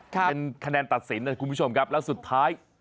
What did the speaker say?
เป็นคะแนนตัดสินนะคุณผู้ชมครับแล้วสุดท้าย